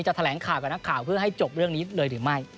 แถลงข่าวกับนักข่าวเพื่อให้จบเรื่องนี้เลยหรือไม่